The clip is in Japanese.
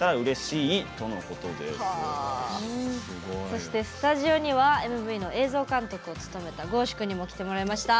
そして、スタジオにはＭＶの映像監督を務めたｇｏ‐ｓｈｕ君にも来てもらいました。